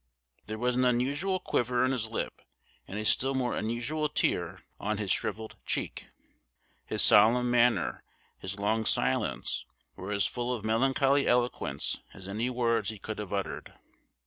There was an unusual quiver in his lip, and a still more unusual tear on his shrivelled cheek. His solemn manner, his long silence, were as full of melancholy eloquence as any words he could have uttered.